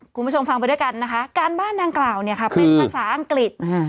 คุณผู้ชมฟังไปด้วยกันนะคะการบ้านดังกล่าวเนี่ยค่ะเป็นภาษาอังกฤษ